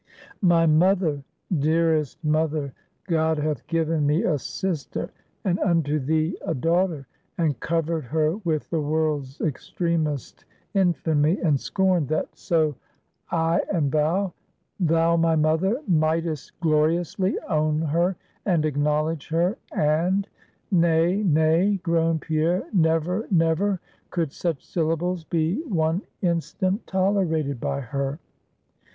My mother! dearest mother! God hath given me a sister, and unto thee a daughter, and covered her with the world's extremest infamy and scorn, that so I and thou thou, my mother, mightest gloriously own her, and acknowledge her, and, Nay, nay, groaned Pierre, never, never, could such syllables be one instant tolerated by her.